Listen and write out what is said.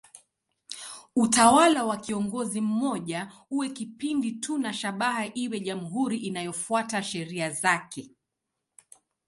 Utawala wa kiongozi mmoja uwe kipindi tu na shabaha iwe jamhuri inayofuata sheria zake.